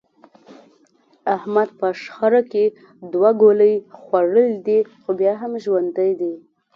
احمد په شخړه کې دوه ګولۍ خوړلې دي، خو بیا هم ژوندی دی.